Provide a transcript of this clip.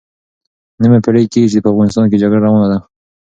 نیمه پېړۍ کېږي چې په افغانستان کې جګړه روانه ده.